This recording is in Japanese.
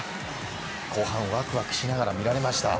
後半わくわくしながら見られました。